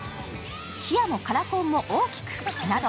「視野もカラコンも大きく！」など